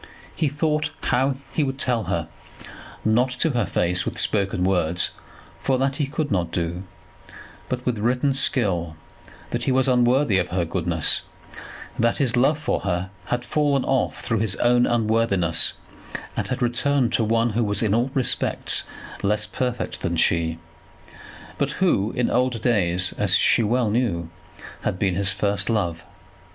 He thought how he would tell her, not to her face with spoken words, for that he could not do, but with written skill, that he was unworthy of her goodness, that his love for her had fallen off through his own unworthiness, and had returned to one who was in all respects less perfect than she, but who in old days, as she well knew, had been his first love.